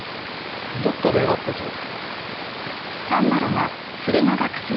どこかで会った気が。